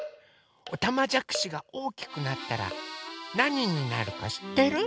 おたまじゃくしがおおきくなったらなにになるかしってる？